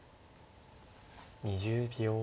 ２０秒。